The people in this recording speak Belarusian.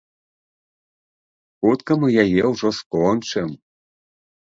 Хутка мы яе ўжо скончым.